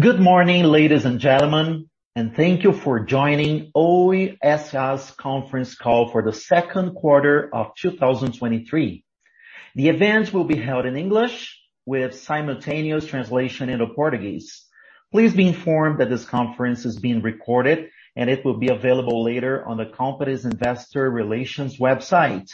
Good morning, ladies and gentlemen, and thank you for joining Oi S.A.'s conference call for the second quarter of 2023. The event will be held in English with simultaneous translation into Portuguese. Please be informed that this conference is being recorded, and it will be available later on the company's Investor Relations website.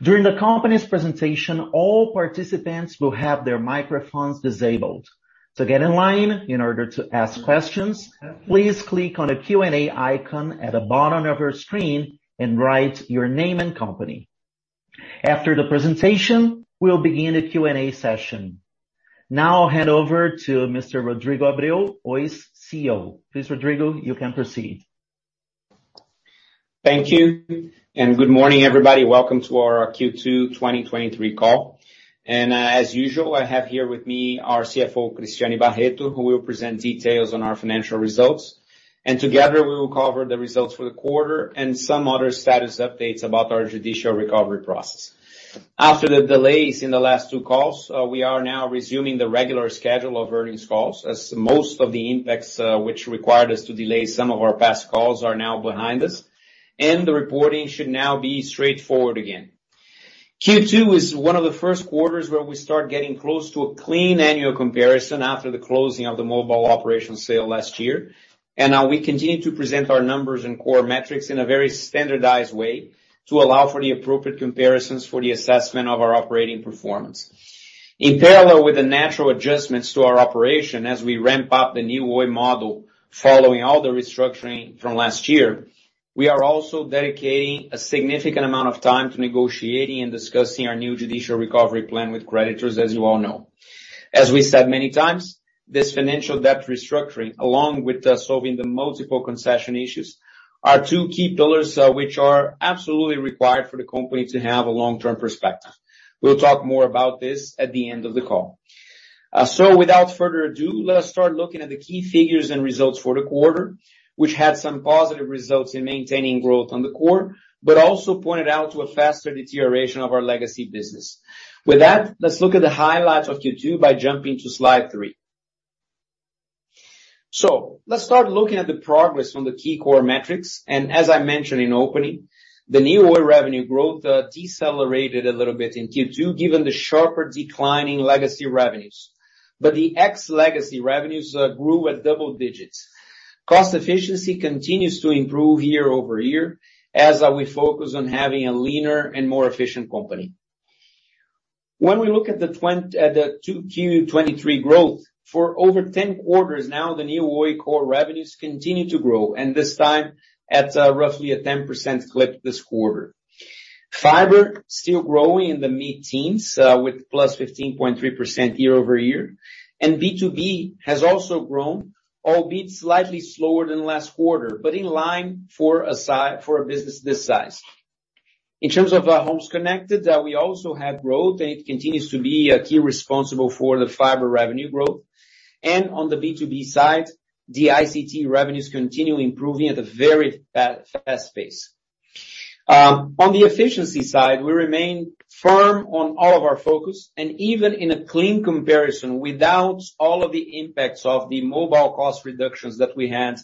During the company's presentation, all participants will have their microphones disabled. To get in line in order to ask questions, please click on the Q&A icon at the bottom of your screen and write your name and company. After the presentation, we'll begin the Q&A session. Now I'll hand over to Mr. Rodrigo Abreu, Oi's CEO. Please, Rodrigo, you can proceed. Thank you. Good morning, everybody. Welcome to our Q2 2023 call. As usual, I have here with me our CFO, Cristiane Barretto, who will present details on our financial results. Together, we will cover the results for the quarter and some other status updates about our judicial recovery process. After the delays in the last two calls, we are now resuming the regular schedule of earnings calls, as most of the impacts which required us to delay some of our past calls are now behind us, and the reporting should now be straightforward again. Q2 is one of the first quarters where we start getting close to a clean annual comparison after the closing of the mobile operation sale last year. We continue to present our numbers and core metrics in a very standardized way to allow for the appropriate comparisons for the assessment of our operating performance. In parallel with the natural adjustments to our operation as we ramp up the new Oi model, following all the restructuring from last year, we are also dedicating a significant amount of time to negotiating and discussing our new judicial recovery plan with creditors, as you all know. As we said many times, this financial debt restructuring, along with solving the multiple concession issues, are two key pillars, which are absolutely required for the company to have a long-term perspective. We'll talk more about this at the end of the call. Without further ado, let us start looking at the key figures and results for the quarter, which had some positive results in maintaining growth on the core, but also pointed out to a faster deterioration of our legacy business. With that, let's look at the highlights of Q2 by jumping to Slide 3. Let's start looking at the progress on the key core metrics, and as I mentioned in opening, the new Oi revenue growth decelerated a little bit in Q2, given the sharper decline in legacy revenues. The ex-legacy revenues grew at double digits. Cost efficiency continues to improve year-over-year, as we focus on having a leaner and more efficient company. When we look at the 2Q 2023 growth, for over 10 quarters now, the new Oi core revenues continue to grow, and this time at roughly a 10% clip this quarter. fiber still growing in the mid-teens, with +15.3% year-over-year, and B2B has also grown, albeit slightly slower than last quarter, but in line for a for a business this size. In terms homes connected, we also had growth, and it continues to be a key responsible for the fiber revenue growth. On the B2B side, the ICT revenues continue improving at a very fast pace. On the efficiency side, we remain firm on all of our focus, and even in a clean comparison, without all of the impacts of the mobile cost reductions that we had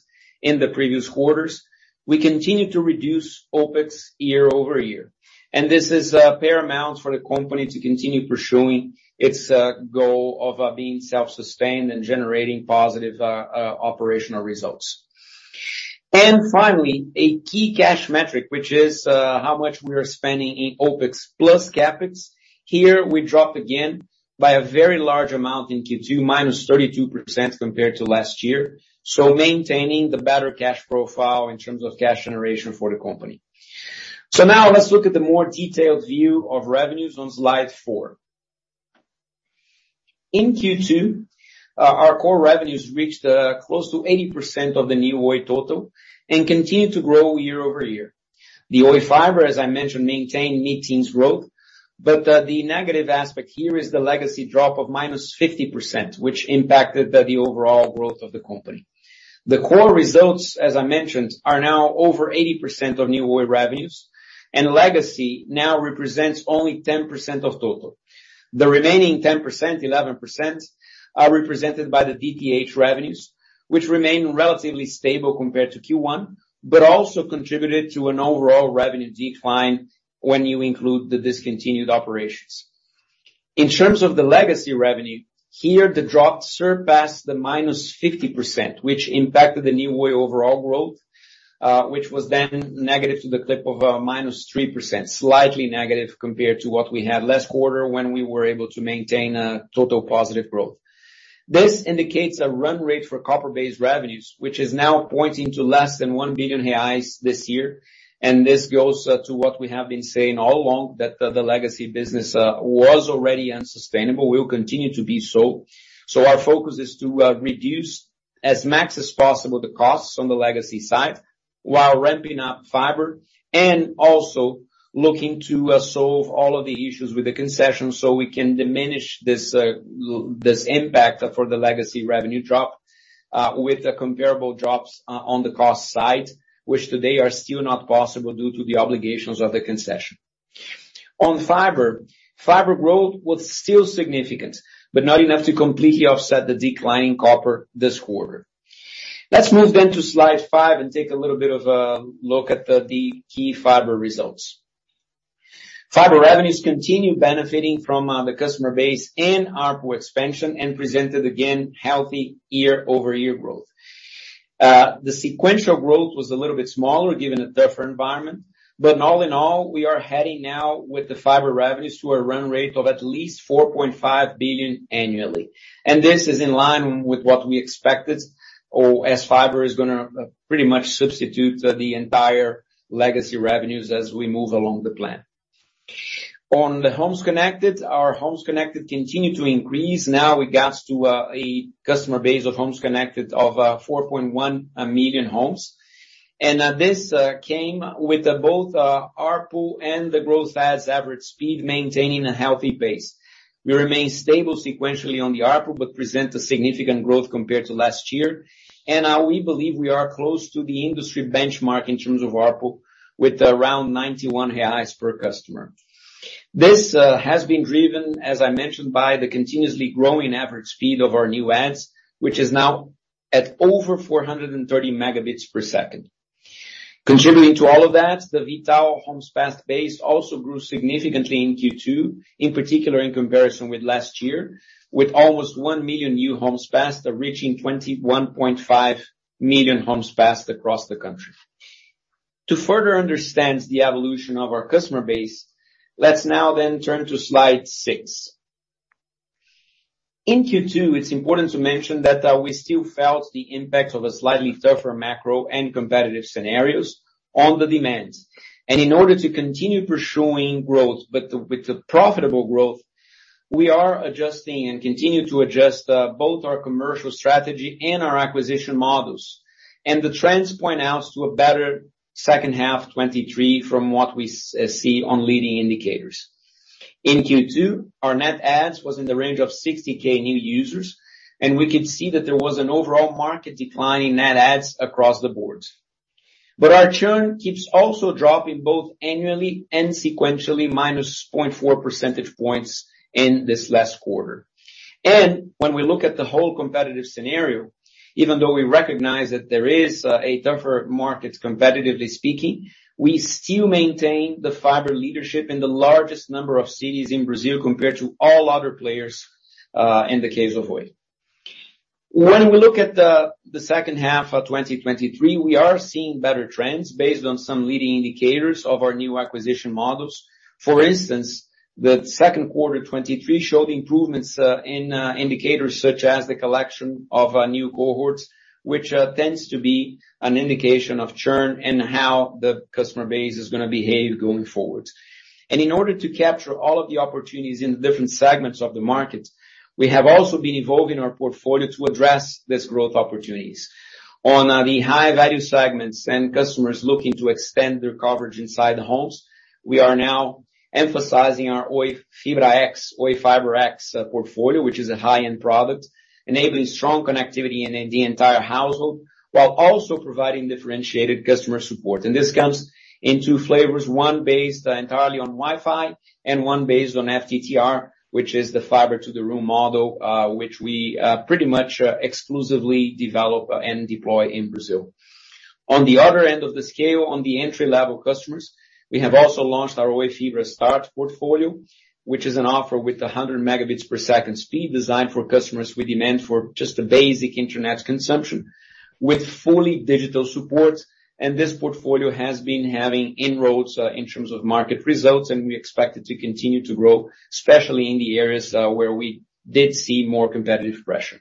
in the previous quarters, we continue to reduce OpEx year-over-year. This is paramount for the company to continue pursuing its goal of being self-sustained and generating positive operational results. Finally, a key cash metric, which is how much we are spending in OpEx plus CapEx. Here we drop again by a very large amount in Q2, -32% compared to last year, so maintaining the better cash profile in terms of cash generation for the company. Now let's look at the more detailed view of revenues on Slide 4. In Q2, our core revenues reached close to 80% of the new Oi total and continued to grow year-over-year. The Oi fiber, as I mentioned, maintained mid-teens growth, but the negative aspect here is the legacy drop of -50%, which impacted the overall growth of the company. The core results, as I mentioned, are now over 80% of new Oi revenues, and legacy now represents only 10% of total. The remaining 10%, 11%, are represented by the DTH revenues, which remain relatively stable compared to Q1, but also contributed to an overall revenue decline when you include the discontinued operations. In terms of the legacy revenue, here, the drop surpassed the -50%, which impacted the new Oi overall growth, which was then negative to the clip of -3%, slightly negative compared to what we had last quarter when we were able to maintain a total positive growth. This indicates a run rate for copper-based revenues, which is now pointing to less than 1 billion reais this year, and this goes to what we have been saying all along, that the legacy business was already unsustainable, will continue to be so. Our focus is to reduce as max as possible the costs on the legacy side, while ramping up fiber and also looking to solve all of the issues with the concession, so we can diminish this impact for the legacy revenue drop with the comparable drops on the cost side, which today are still not possible due to the obligations of the concession. On fiber, fiber growth was still significant, but not enough to completely offset the decline in copper this quarter. Let's move then to Slide 5 and take a little bit of look at the key fiber results. fiber revenues continue benefiting from the customer base and ARPU expansion, and presented again, healthy year-over-year growth. The sequential growth was a little bit smaller, given the tougher environment, all in all, we are heading now with the fiber revenues to a run rate of at least 4.5 billion annually. This is in line with what we expected, or as fiber is gonna pretty much substitute the entire legacy revenues as we move along the plan. On homes connected continue to increase. Now, we got to a customer base homes connected of 4.1 million homes. This came with both ARPU and the growth as average speed, maintaining a healthy pace. We remain stable sequentially on the ARPU, present a significant growth compared to last year. We believe we are close to the industry benchmark in terms of ARPU, with around 91 reais per customer. This has been driven, as I mentioned, by the continuously growing average speed of our net adds, which is now at over 430 Mbps. Contributing to all of that, the V.tal homes passed base also grew significantly in Q2, in particular, in comparison with last year, with almost one million new homes passed, reaching 21.5 million homes passed across the country. To further understand the evolution of our customer base, let's now then turn to Slide 6. In Q2, it's important to mention that we still felt the impact of a slightly tougher macro and competitive scenarios on the demands. In order to continue pursuing growth, but with the profitable growth, we are adjusting and continue to adjust both our commercial strategy and our acquisition models. The trends point out to a better second half 2023 from what we see on leading indicators. In Q2, our net adds was in the range of 60,000 new users, and we could see that there was an overall market decline in net adds across the board. Our churn keeps also dropping, both annually and sequentially, -0.4 percentage points in this last quarter. When we look at the whole competitive scenario, even though we recognize that there is a tougher market, competitively speaking, we still maintain the fiber leadership in the largest number of cities in Brazil, compared to all other players in the case of Oi. When we look at the second half of 2023, we are seeing better trends based on some leading indicators of our new acquisition models. For instance, the second quarter 2023 showed improvements, in indicators such as the collection of new cohorts, which tends to be an indication of churn and how the customer base is gonna behave going forward. In order to capture all of the opportunities in the different segments of the market, we have also been evolving our portfolio to address these growth opportunities. On the high-value segments and customers looking to extend their coverage inside the homes, we are now emphasizing our Oi Fibra X, Oi fiber X, portfolio, which is a high-end product, enabling strong connectivity in the entire household, while also providing differentiated customer support. This comes in two flavors, one based entirely on Wi-Fi and one based on FTTR, which is the Fiber-to-the-Room model, which we pretty much exclusively develop and deploy in Brazil. On the other end of the scale, on the entry-level customers, we have also launched our Oi Fibra Start portfolio, which is an offer with 100 Mbps speed, designed for customers with demand for just the basic internet consumption, with fully digital support. This portfolio has been having inroads in terms of market results, and we expect it to continue to grow, especially in the areas where we did see more competitive pressure.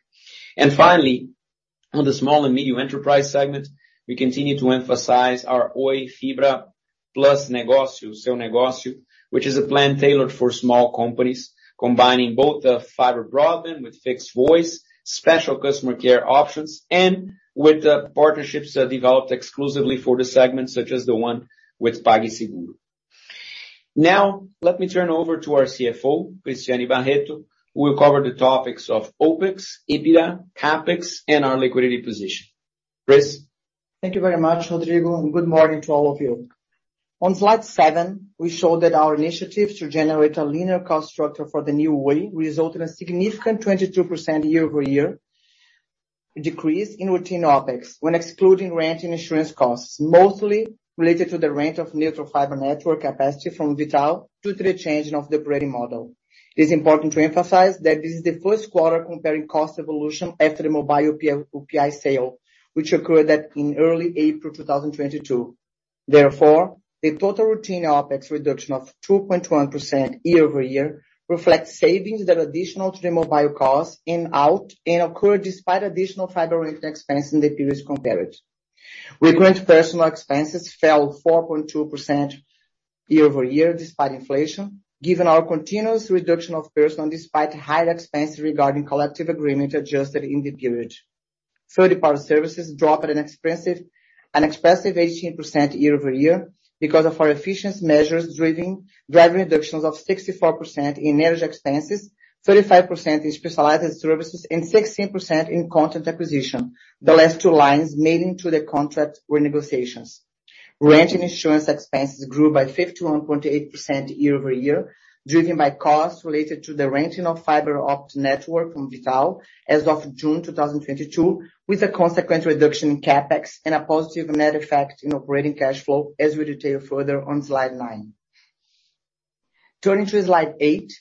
Finally, on the small and medium enterprise segment, we continue to emphasize our Oi Fibra + Negocio, Seu Negocio, which is a plan tailored for small companies, combining both the fiber broadband with fixed voice, special customer care options, and with the partnerships developed exclusively for the segment, such as the one with PagSeguro. Now, let me turn over to our CFO, Cristiane Barretto, who will cover the topics of OpEx, EBITDA, CapEx, and our liquidity position. Cris? Thank you very much, Rodrigo, good morning to all of you. On Slide 7, we showed that our initiatives to generate a linear cost structure for the new Oi resulted in a significant 22% year-over-year decrease in routine OpEx, when excluding rent and insurance costs, mostly related to the rent of neutral fiber network capacity from V.tal due to the change of the operating model. It is important to emphasize that this is the first quarter comparing cost evolution after the mobile UPI, UPI sale, which occurred in early April 2022. Therefore, the total routine OpEx reduction of 2.1% year-over-year reflects savings that are additional to the mobile costs and occurred despite additional fiber-related expense in the period compared. Recurrent personal expenses fell 4.2% year-over-year, despite inflation, given our continuous reduction of personnel, despite higher expense regarding collective agreement adjusted in the period. Third-party power services dropped at an expressive 18% year-over-year because of our efficiency measures, driving reductions of 64% in energy expenses, 35% in specialized services, and 16% in content acquisition. The last two lines main into the contract renegotiations. Rent and insurance expenses grew by 51.8% year-over-year, driven by costs related to the renting of fiber optic network from V.tal as of June 2022, with a consequent reduction in CapEx and a positive net effect in operating cash flow, as we detail further on Slide 9. Turning to Slide 8,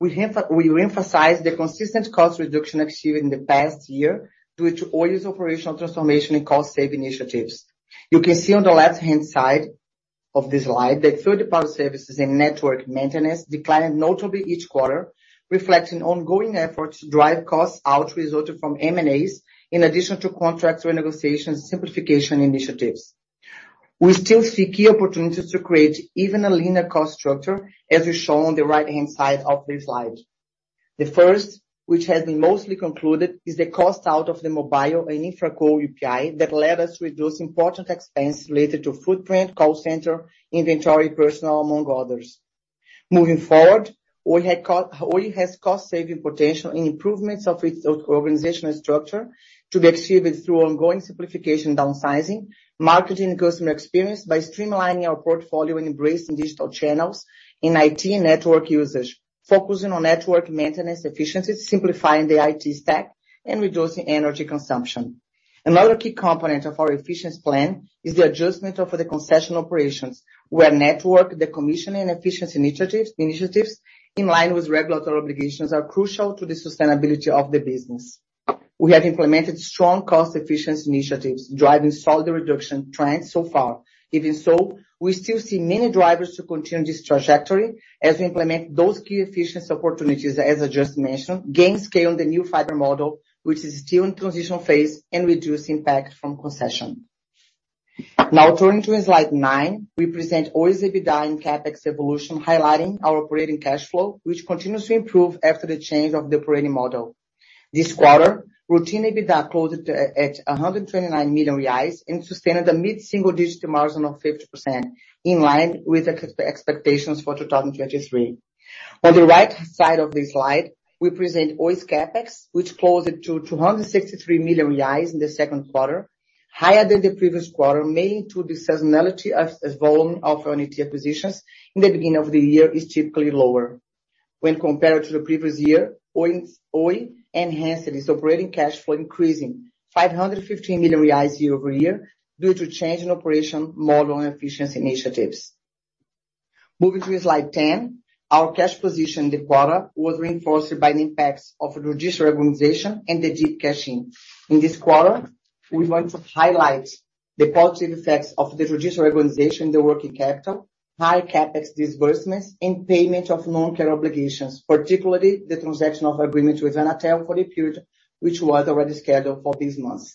we reemphasize the consistent cost reduction achieved in the past year due to Oi's operational transformation and cost-saving initiatives. You can see on the left-hand side of this slide that third-party services and network maintenance declined notably each quarter, reflecting ongoing efforts to drive costs out, resulting from M&As, in addition to contract renegotiations, simplification initiatives. We still see key opportunities to create even a leaner cost structure, as we show on the right-hand side of this slide. The first, which has been mostly concluded, is the cost out of the mobile and infra core UPI that led us to reduce important expenses related to footprint, call center, inventory, personnel, among others. Moving forward, Oi has cost-saving potential in improvements of its organizational structure to be achieved through ongoing simplification, downsizing, marketing, and customer experience by streamlining our portfolio and embracing digital channels in IT and network usage, focusing on network maintenance efficiency, simplifying the IT stack, and reducing energy consumption. Another key component of our efficiency plan is the adjustment of the concession operations, where network, the commissioning and efficiency initiatives in line with regulatory obligations, are crucial to the sustainability of the business. We have implemented strong cost efficiency initiatives, driving solid reduction trends so far. Even so, we still see many drivers to continue this trajectory as we implement those key efficiency opportunities, as I just mentioned, gain scale on the new fiber model, which is still in transition phase and reduce impact from concession. Now, turning to Slide 9, we present Oi's EBITDA and CapEx evolution, highlighting our operating cash flow, which continues to improve after the change of the operating model. This quarter, routine EBITDA closed at 129 million reais and sustained a mid-single-digit margin of 50%, in line with expectations for 2023. On the right side of this slide, we present Oi's CapEx, which closed to 263 million reais in the second quarter, higher than the previous quarter, mainly to the seasonality as volume of ONT acquisitions in the beginning of the year is typically lower. When compared to the previous year, Oi enhanced its operating cash flow, increasing 515 million reais year-over-year due to change in operation model and efficiency initiatives. Moving to Slide 10, our cash position in the quarter was reinforced by the impacts of the judicial reorganization and the deep cashing. In this quarter, we want to highlight the positive effects of the judicial reorganization, the working capital, high CapEx disbursements, and payment of long-term obligations, particularly the transaction of agreement with Anatel for the period, which was already scheduled for this month.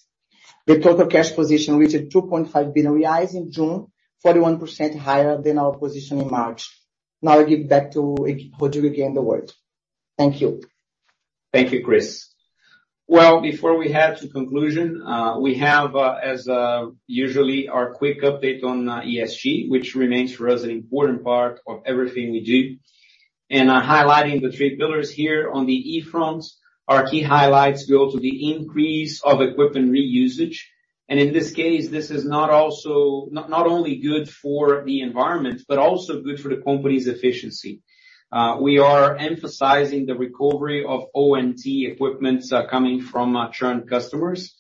The total cash position reached 2.5 billion reais in June, 41% higher than our position in March. Now, I give back to Rodrigo again the word. Thank you. Thank you, Cris. Well, before we head to conclusion, we have as usually our quick update on ESG, which remains for us an important part of everything we do. Highlighting the three pillars here. On the E front, our key highlights go to the increase of equipment reusage, and in this case, this is not only good for the environment, but also good for the company's efficiency. We are emphasizing the recovery of ONT equipments coming from current customers,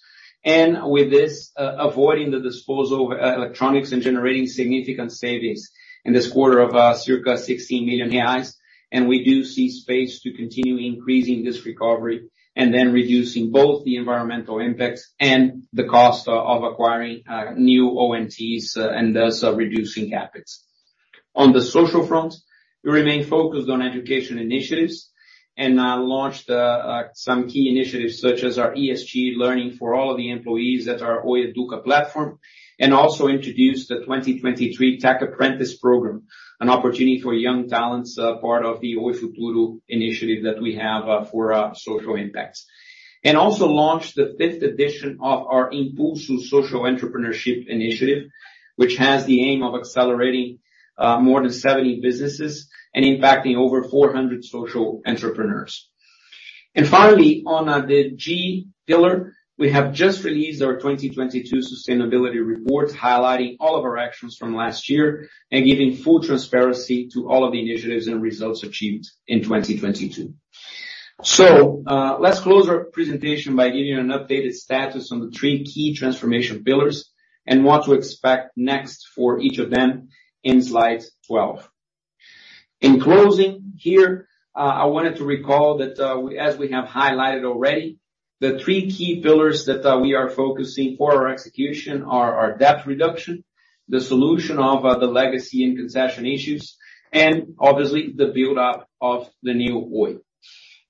and with this, avoiding the disposal of electronics and generating significant savings in this quarter of circa 16 million reais. We do see space to continue increasing this recovery and then reducing both the environmental impacts and the cost of acquiring new ONTs, and thus, reducing CapEx. On the social front, we remain focused on education initiatives, launched some key initiatives such as our ESG learning for all of the employees at our Oi Educa platform, and also introduced the 2023 Tech Apprentice Program, an opportunity for young talents, part of the Oi Futuro initiative that we have for social impacts. Also launched the fifth edition of our Impulso Social Entrepreneurship Initiative, which has the aim of accelerating more than 70 businesses and impacting over 400 social entrepreneurs. Finally, on the G pillar, we have just released our 2022 Sustainability Report, highlighting all of our actions from last year and giving full transparency to all of the initiatives and results achieved in 2022. Let's close our presentation by giving you an updated status on the three key transformation pillars and what to expect next for each of them in Slide 12. In closing here, I wanted to recall that, as we have highlighted already, the three key pillars that we are focusing for our execution are our debt reduction, the solution of the legacy and concession issues, and obviously, the buildup of the new Oi.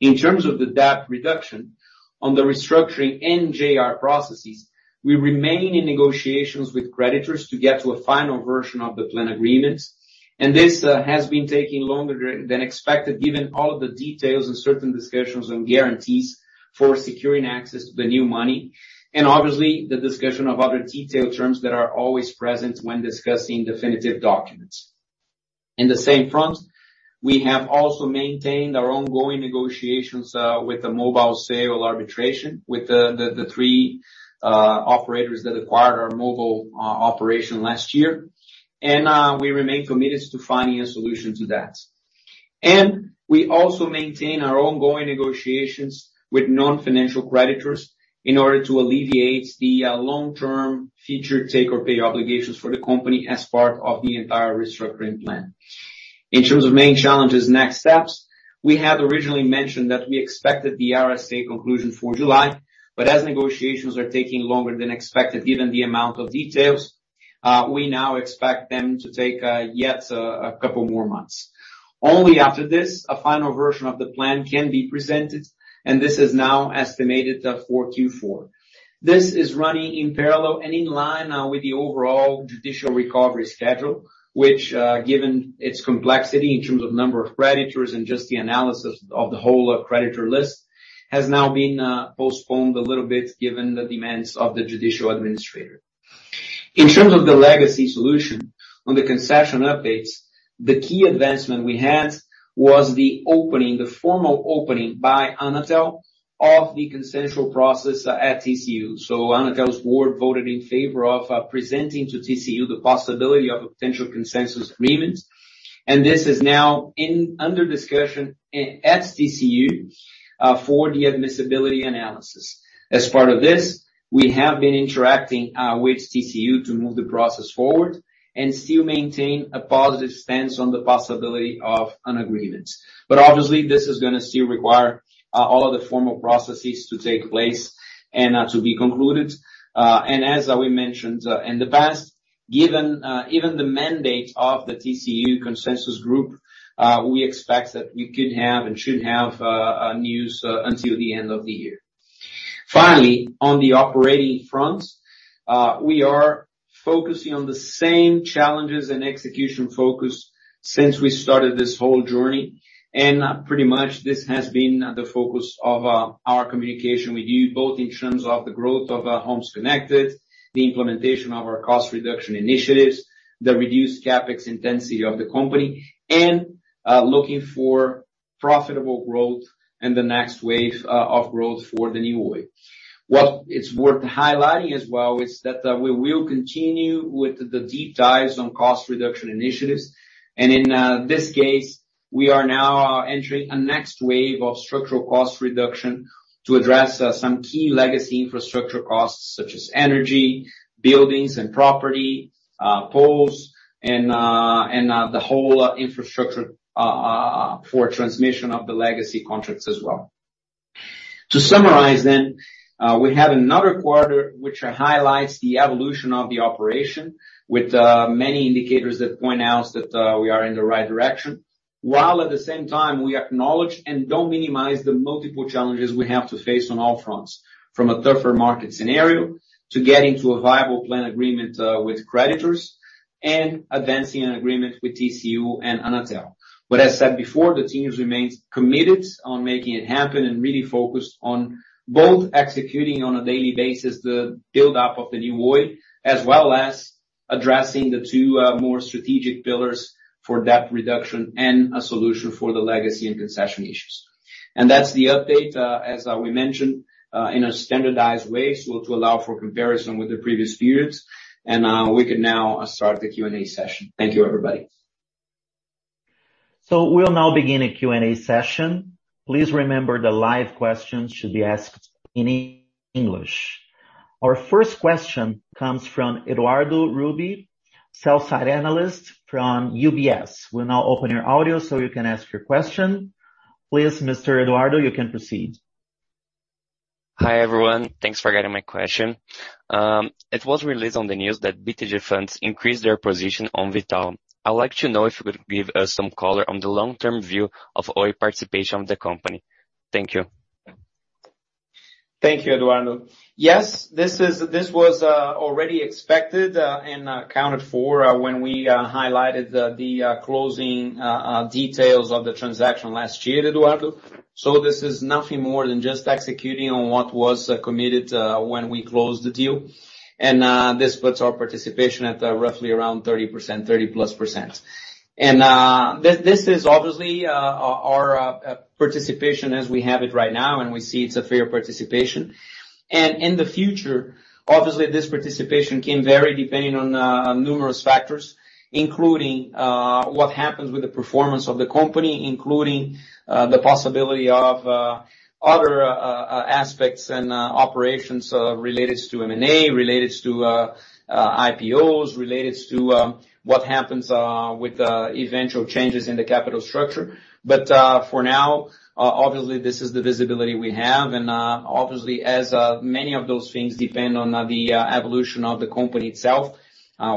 In terms of the debt reduction, on the restructuring and JR processes, we remain in negotiations with creditors to get to a final version of the plan agreements. This has been taking longer than expected, given all of the details and certain discussions and guarantees for securing access to the new money, and obviously, the discussion of other detailed terms that are always present when discussing definitive documents. In the same front, we have also maintained our ongoing negotiations with the mobile sale arbitration, with the, the, the three operators that acquired our mobile operation last year. We remain committed to finding a solution to that. We also maintain our ongoing negotiations with non-financial creditors in order to alleviate the long-term future take-or-pay obligations for the company as part of the entire restructuring plan. In terms of main challenges next steps, we had originally mentioned that we expected the RSA conclusion for July, as negotiations are taking longer than expected, given the amount of details, we now expect them to take yet a couple more months. Only after this, a final version of the plan can be presented, and this is now estimated for Q4. This is running in parallel and in line with the overall judicial recovery schedule, which, given its complexity in terms of number of creditors and just the analysis of the whole creditor list, has now been postponed a little bit, given the demands of the judicial administrator. In terms of the legacy solution, on the concession updates, the key advancement we had was the opening, the formal opening by Anatel of the consensual process at TCU. Anatel's Board voted in favor of presenting to TCU the possibility of a potential consensus agreement, and this is now under discussion at TCU for the admissibility analysis. As part of this, we have been interacting with TCU to move the process forward and still maintain a positive stance on the possibility of an agreement. Obviously, this is gonna still require all of the formal processes to take place and to be concluded. As we mentioned in the past, given even the mandate of the TCU consensus group, we expect that we could have and should have news until the end of the year. Finally, on the operating front, we are focusing on the same challenges and execution focus since we started this whole journey. Pretty much this has been the focus of our communication with you, both in terms of the growth of homes connected, the implementation of our cost reduction initiatives, the reduced CapEx intensity of the company, and looking for profitable growth and the next wave of growth for the new Oi. What it's worth highlighting as well, is that we will continue with the deep dives on cost reduction initiatives, and in this case, we are now entering a next wave of structural cost reduction to address some key legacy infrastructure costs, such as energy, buildings and property, poles, and and the whole infrastructure for transmission of the legacy contracts as well. To summarize, we have another quarter which highlights the evolution of the operation, with many indicators that point out that we are in the right direction, while at the same time we acknowledge and don't minimize the multiple challenges we have to face on all fronts, from a tougher market scenario, to getting to a viable plan agreement with creditors, and advancing an agreement with TCU and Anatel. What I said before, the team remains committed on making it happen and really focused on both executing on a daily basis the buildup of the New Oi, as well as addressing the two more strategic pillars for debt reduction and a solution for the legacy and concession issues. That's the update as we mentioned in a standardized way, so to allow for comparison with the previous periods. We can now start the Q&A session. Thank you, everybody. We'll now begin a Q&A session. Please remember, the live questions should be asked in English. Our first question comes from Eduardo Rubi, sell-side analyst from UBS. We'll now open your audio so you can ask your question. Please, Mr. Eduardo, you can proceed. Hi, everyone. Thanks for getting my question. It was released on the news that BTG Funds increased their position on V.tal. I would like to know if you could give us some color on the long-term view of Oi participation of the company. Thank you. Thank you, Eduardo. Yes, this was already expected and accounted for when we highlighted the closing details of the transaction last year, Eduardo. This is nothing more than just executing on what was committed when we closed the deal. This puts our participation at roughly around 30%, 30%+. This is obviously our participation as we have it right now, and we see it's a fair participation. In the future, obviously, this participation can vary depending on numerous factors, including what happens with the performance of the company, including the possibility of other aspects and operations related to M&A, related to IPOs, related to what happens with eventual changes in the capital structure. For now, obviously, this is the visibility we have, and obviously, as many of those things depend on the evolution of the company itself,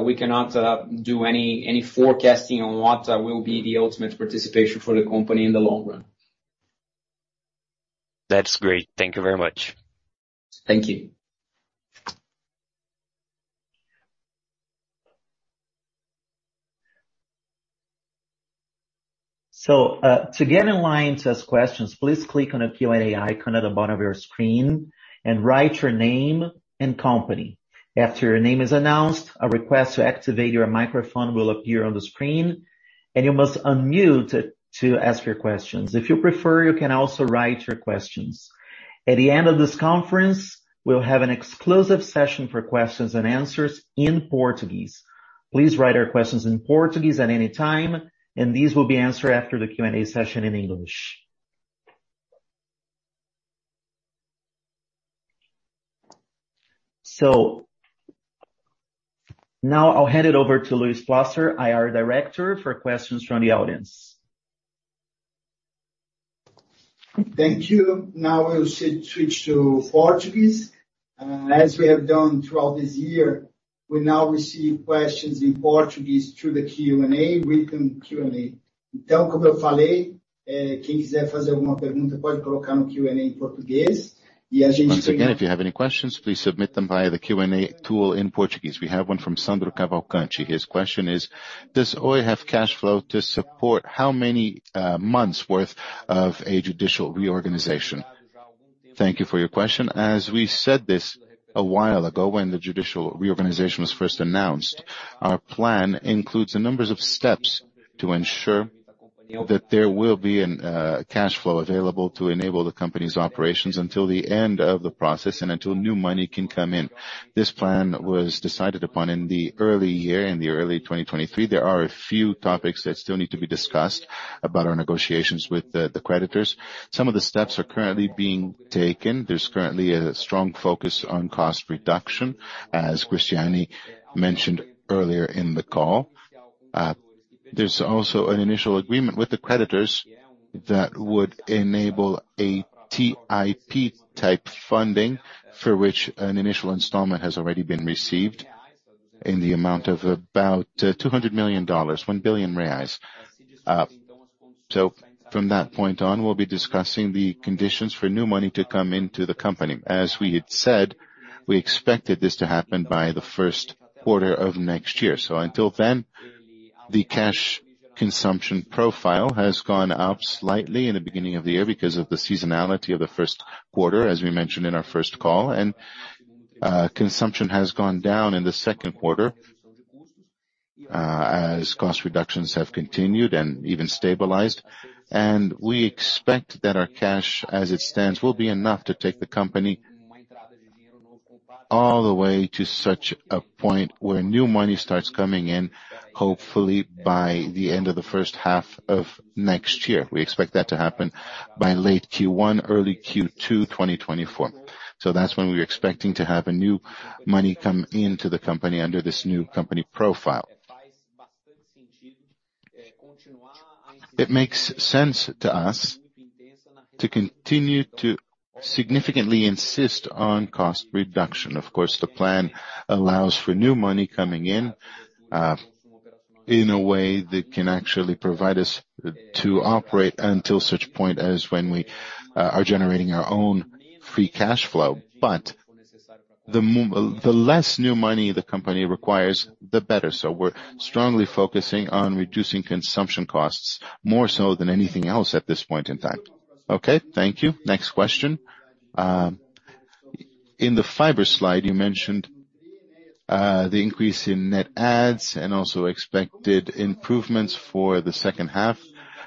we cannot do any, any forecasting on what will be the ultimate participation for the company in the long run. That's great. Thank you very much. Thank you. To get in line to ask questions, please click on the Q&A icon at the bottom of your screen and write your name and company. After your name is announced, a request to activate your microphone will appear on the screen, and you must unmute to ask your questions. If you prefer, you can also write your questions. At the end of this conference, we'll have an exclusive session for questions and answers in Portuguese. Please write your questions in Portuguese at any time, and these will be answered after the Q&A session in English. Now I'll hand it over to Luis Plaster, IR Director, for questions from the audience. Thank you. Now we'll switch, switch to Portuguese. As we have done throughout this year, we now receive questions in Portuguese through the Q&A, written Q&A. Once again, if you have any questions, please submit them via the Q&A tool in Portuguese. We have one from Sandra Cavalcanti. His question is: Does Oi have cash flow to support how many months worth of a judicial reorganization? Thank you for your question. As we said this a while ago, when the judicial reorganization was first announced, our plan includes a number of steps to ensure that there will be an cash flow available to enable the company's operations until the end of the process and until new money can come in. This plan was decided upon in the early year, in the early 2023. There are a few topics that still need to be discussed about our negotiations with the, the creditors. Some of the steps are currently being taken. There's currently a strong focus on cost reduction, as Cristiane mentioned earlier in the call. There's also an initial agreement with the creditors that would enable a DIP-type funding, for which an initial installment has already been received in the amount of about $200 million, 1 billion reais. From that point on, we'll be discussing the conditions for new money to come into the company. As we had said, we expected this to happen by the first quarter of next year. Until then, the cash consumption profile has gone up slightly in the beginning of the year because of the seasonality of the first quarter, as we mentioned in our first call, and consumption has gone down in the second quarter, as cost reductions have continued and even stabilized. We expect that our cash, as it stands, will be enough to take the company all the way to such a point where new money starts coming in, hopefully by the end of the first half of next year. We expect that to happen by late Q1, early Q2, 2024. That's when we're expecting to have a new money come into the company under this new company profile. It makes sense to us to continue to significantly insist on cost reduction. Of course, the plan allows for new money coming in, in a way that can actually provide us to operate until such point as when we are generating our own free cash flow. The less new money the company requires, the better. We're strongly focusing on reducing consumption costs more so than anything else at this point in time. Okay, thank you. Next question. In the fiber slide, you mentioned the increase in net adds and also expected improvements for the second half.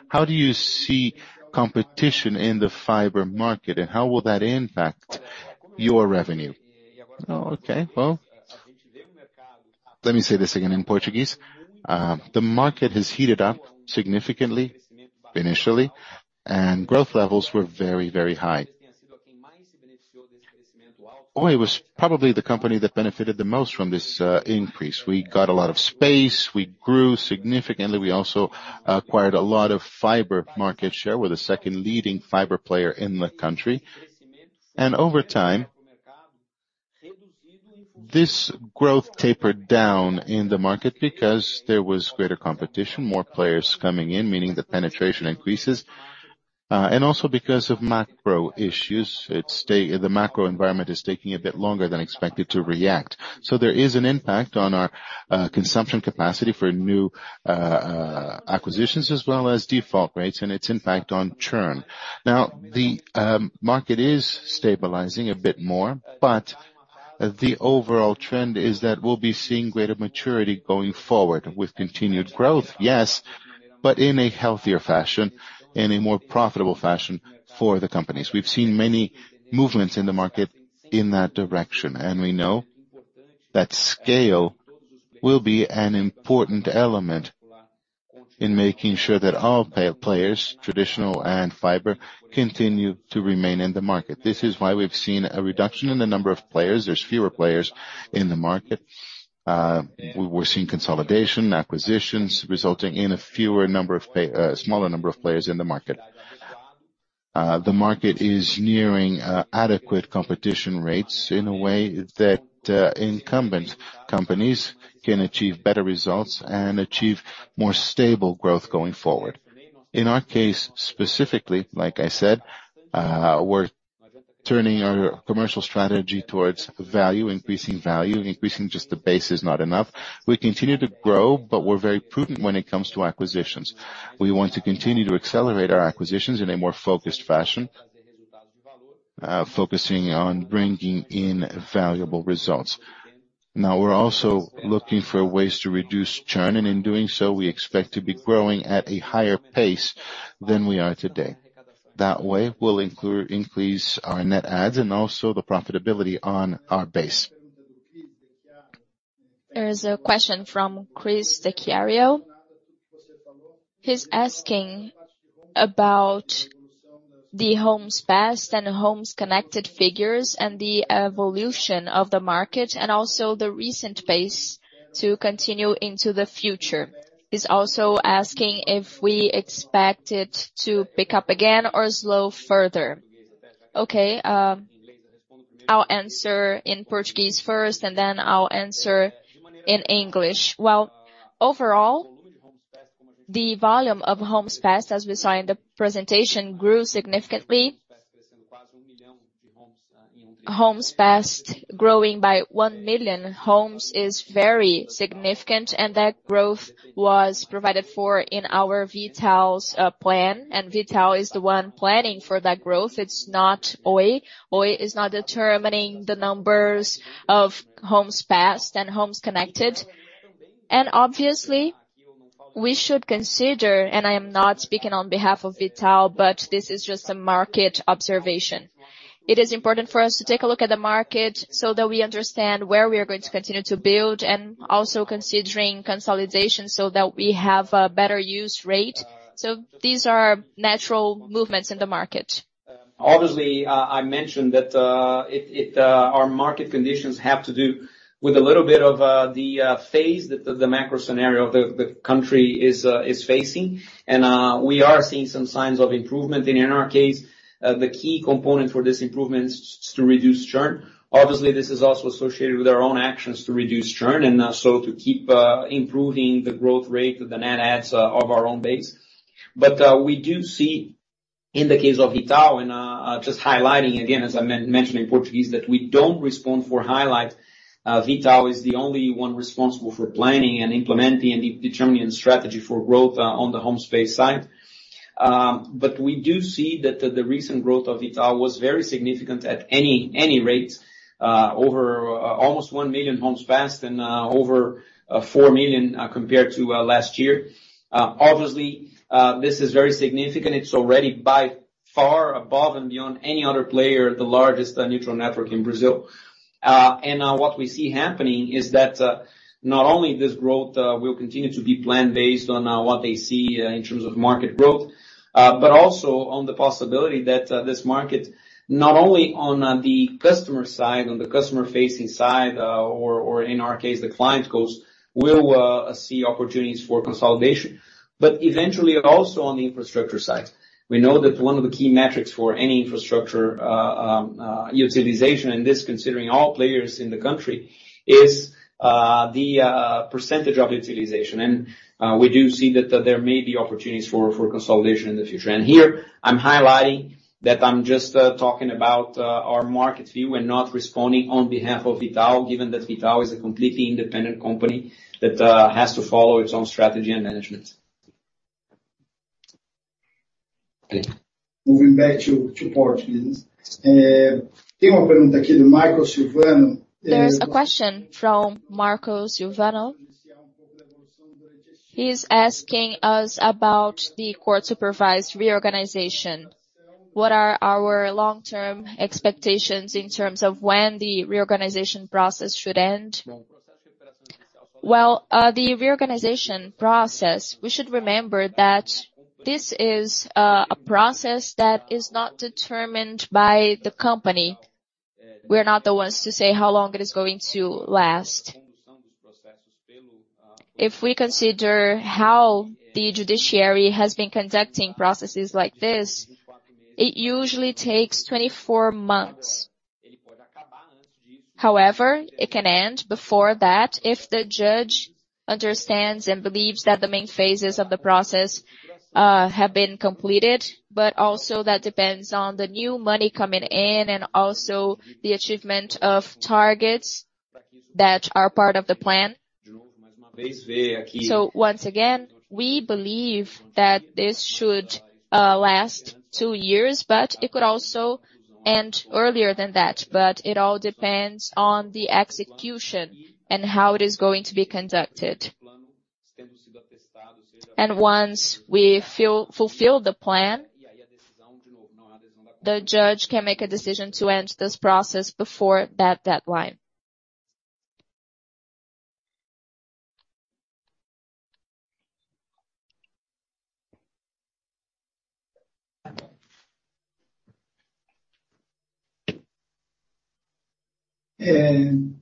How do you see competition in the fiber market, and how will that impact your revenue? Oh, okay. Well, let me say this again in Portuguese. The market has heated up significantly, initially, and growth levels were very, very high. Oi was probably the company that benefited the most from this increase. We got a lot of space. We grew significantly. We also acquired a lot of fiber market share. We're the second leading fiber player in the country. Over time, this growth tapered down in the market because there was greater competition, more players coming in, meaning the penetration increases, and also because of macro issues. The macro environment is taking a bit longer than expected to react. There is an impact on our consumption capacity for new acquisitions, as well as default rates and its impact on churn. Now, the market is stabilizing a bit more. The overall trend is that we'll be seeing greater maturity going forward. With continued growth, yes, in a healthier fashion and a more profitable fashion for the companies. We've seen many movements in the market in that direction. We know that scale will be an important element in making sure that all players, traditional and fiber, continue to remain in the market. This is why we've seen a reduction in the number of players. There's fewer players in the market. We're seeing consolidation, acquisitions, resulting in a smaller number of players in the market. The market is nearing adequate competition rates in a way that incumbent companies can achieve better results and achieve more stable growth going forward. In our case, specifically, like I said, we're turning our commercial strategy towards value, increasing value, increasing just the base is not enough. We continue to grow, we're very prudent when it comes to acquisitions. We want to continue to accelerate our acquisitions in a more focused fashion, focusing on bringing in valuable results. We're also looking for ways to reduce churn, and in doing so, we expect to be growing at a higher pace than we are today. We'll increase our net adds and also the profitability on our base. There is a question from Chris Dechiario. He's asking about the homes passed homes connected figures and the evolution of the market, and also the recent pace to continue into the future. He's also asking if we expect it to pick up again or slow further. Okay, I'll answer in Portuguese first, and then I'll answer in English. Well, overall, the volume of homes passed, as we saw in the presentation, grew significantly. Homes passed growing by one million homes is very significant, and that growth was provided for in our V.tal plan, and V.tal is the one planning for that growth. It's not Oi. Oi is not determining the numbers of homes passed homes connected. Obviously, we should consider, and I am not speaking on behalf of V.tal, but this is just a market observation. It is important for us to take a look at the market so that we understand where we are going to continue to build and also considering consolidation so that we have a better use rate. These are natural movements in the market. Obviously, I mentioned that it, it, our market conditions have to do with a little bit of the phase that the macro scenario the country is facing. We are seeing some signs of improvement. In our case, the key component for this improvement is to reduce churn. Obviously, this is also associated with our own actions to reduce churn, so to keep improving the growth rate of the net adds of our own base. We do see, in the case of V.tal, and just highlighting again, as I mentioned in Portuguese, that we don't respond for highlight. V.tal is the only one responsible for planning and implementing and determining the strategy for growth on the homes passed side. We do see that the recent growth of V.tal was very significant at any, any rate, over almost one million homes passed and over four million compared to last year. Obviously, this is very significant. It's already by far above and beyond any other player, the largest neutral network in Brazil. What we see happening is that not only this growth will continue to be plan based on what they see in terms of market growth, but also on the possibility that this market, not only on the customer side, on the customer-facing side, or in our case, the client goes, will see opportunities for consolidation, but eventually also on the infrastructure side. We know that one of the key metrics for any infrastructure utilization, and this considering all players in the country, is the percent of utilization. We do see that there may be opportunities for, for consolidation in the future. Here, I'm highlighting that I'm just talking about our market view and not responding on behalf of V.tal, given that V.tal is a completely independent company that has to follow its own strategy and management. Moving back to, to Portuguese. There's a question from Marcos Silvano. He's asking us about the court-supervised reorganization. What are our long-term expectations in terms of when the reorganization process should end? Well, the reorganization process, we should remember that this is a process that is not determined by the company. We're not the ones to say how long it is going to last. If we consider how the judiciary has been conducting processes like this, it usually takes 24 months. However, it can end before that if the judge understands and believes that the main phases of the process have been completed, but also that depends on the new money coming in and also the achievement of targets that are part of the plan. Once again, we believe that this should last two years, but it could also end earlier than that, but it all depends on the execution and how it is going to be conducted. Once we fulfill the plan, the judge can make a decision to end this process before that deadline. Thank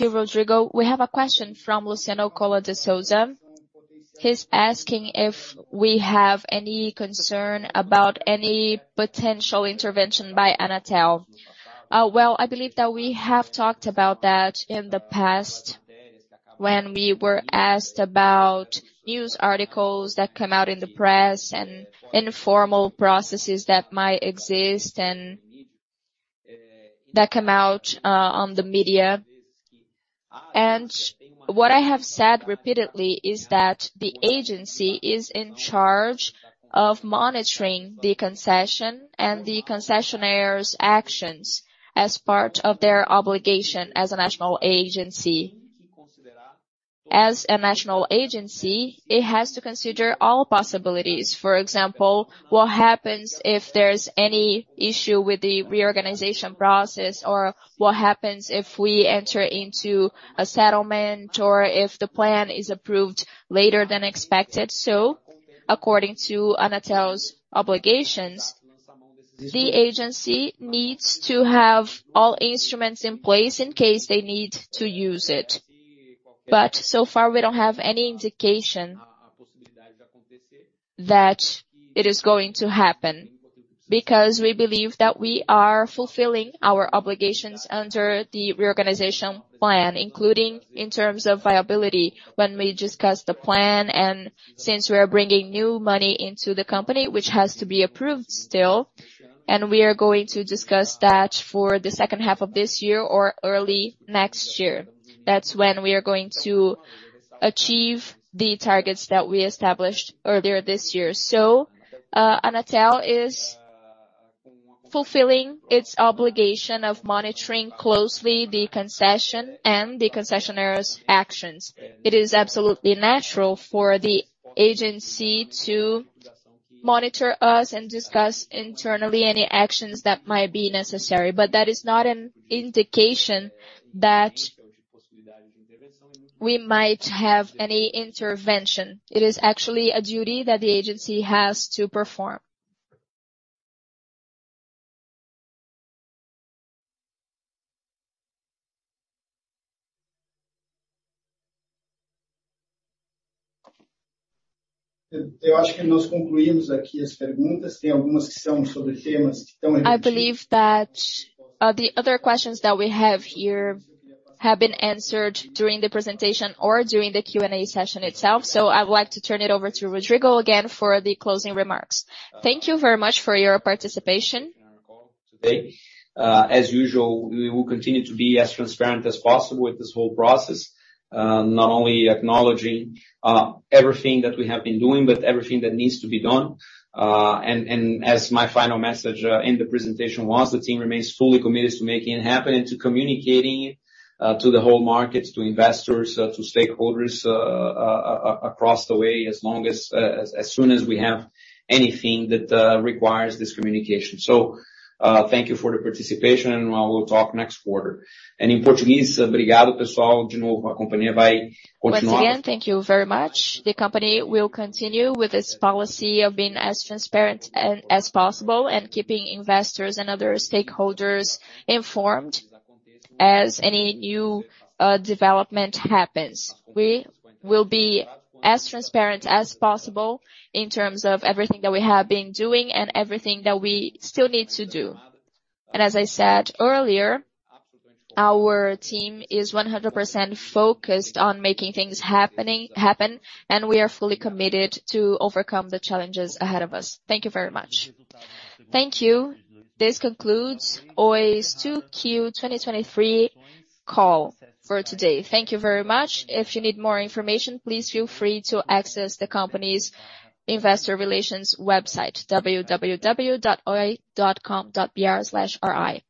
you, Rodrigo. We have a question from Luciano Cola de Souza. He's asking if we have any concern about any potential intervention by Anatel. Well, I believe that we have talked about that in the past. When we were asked about news articles that come out in the press and informal processes that might exist and that come out on the media. What I have said repeatedly is that the agency is in charge of monitoring the concession and the concessionaire's actions as part of their obligation as a national agency. As a national agency, it has to consider all possibilities. For example, what happens if there's any issue with the reorganization process? Or what happens if we enter into a settlement or if the plan is approved later than expected? According to Anatel's obligations, the agency needs to have all instruments in place in case they need to use it. So far, we don't have any indication that it is going to happen, because we believe that we are fulfilling our obligations under the reorganization plan, including in terms of viability. When we discuss the plan, and since we are bringing new money into the company, which has to be approved still, and we are going to discuss that for the second half of this year or early next year. That's when we are going to achieve the targets that we established earlier this year. Anatel is fulfilling its obligation of monitoring closely the concession and the concessionaire's actions. It is absolutely natural for the agency to monitor us and discuss internally any actions that might be necessary, but that is not an indication that we might have any intervention. It is actually a duty that the agency has to perform. I believe that the other questions that we have here have been answered during the presentation or during the Q&A session itself. I would like to turn it over to Rodrigo again for the closing remarks. Thank you very much for your participation. Today, as usual, we will continue to be as transparent as possible with this whole process, not only acknowledging, everything that we have been doing, but everything that needs to be done. As my final message, in the presentation was, the team remains fully committed to making it happen and to communicating it, to the whole market, to investors, to stakeholders, across the way, as long as, as soon as we have anything that requires this communication. Thank you for the participation, and we'll talk next quarter. In Portuguese. Once again, thank you very much. The company will continue with its policy of being as transparent as possible and keeping investors and other stakeholders informed as any new development happens. We will be as transparent as possible in terms of everything that we have been doing and everything that we still need to do. As I said earlier, our team is 100% focused on making things happen, and we are fully committed to overcome the challenges ahead of us. Thank you very much. Thank you. This concludes Oi's 2Q 2023 call for today. Thank you very much. If you need more information, please feel free to access the company's investor relations website, www.oi.com.br/ri. Thank you.